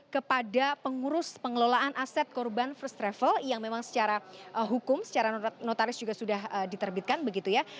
kepada pengurus pengelolaan aset korban first travel yang memang secara hukum secara notaris juga sudah diterbitkan begitu ya